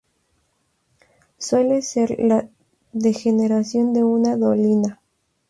Suele ser la degeneración de una dolina.